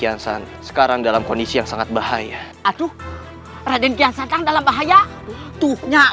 jansan sekarang dalam kondisi yang sangat bahaya aduh raden jansan dalam bahaya tuh nyak